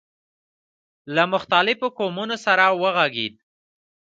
له مختلفو قومونو سره وغږېد.